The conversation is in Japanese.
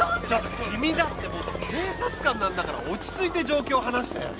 ちょっと君だって元警察官なんだから落ち着いて状況を話して！